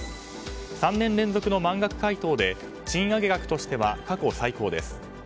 ３年連続の満額回答で賃上げ額としては過去最高です。